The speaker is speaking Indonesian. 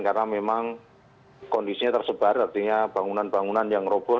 karena memang kondisinya tersebar artinya bangunan bangunan yang roboh